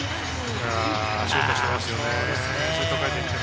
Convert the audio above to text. あシュートしていますよね。